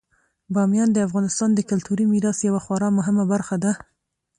بامیان د افغانستان د کلتوري میراث یوه خورا مهمه برخه ده.